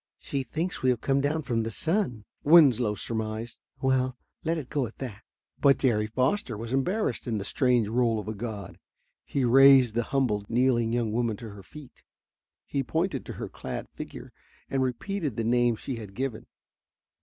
"She thinks we have come down from the sun," Winslow surmised. "Well, let it go at that." But Jerry Foster was embarrassed in the strange role of a god; he raised the humbled, kneeling young woman to her feet. He pointed to her gold clad figure and repeated the name she had given.